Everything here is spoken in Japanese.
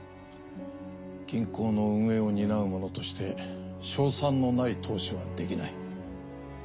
銀行の運営を担う者として勝算のない投資はできない。